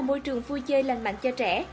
môi trường vui chơi lành mạnh cho trẻ